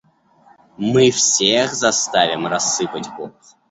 Мы всех заставим рассыпать порох.